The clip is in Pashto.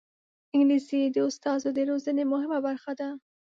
انګلیسي د استازو د روزنې مهمه برخه ده